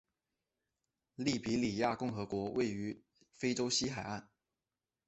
利比里亚共和国位于非洲西海岸。